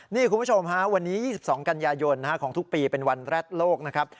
นี่คุณผู้ชมฮะวันนี้๒๒กันยายนของทุกปีเป็นวันแรกโลกนะครับ